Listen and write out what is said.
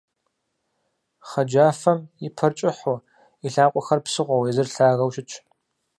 Хъэджафэм и пэр кӀыхьу, и лъакъуэхэр псыгъуэу, езыр лъагэу щытщ.